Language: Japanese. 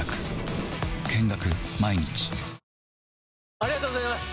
ありがとうございます！